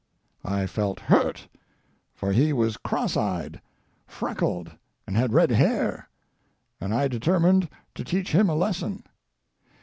I felt hurt, for he was cross eyed, freckled, and had red hair, and I determined to teach him a lesson.